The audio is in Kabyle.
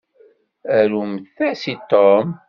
Arum-as i Tom!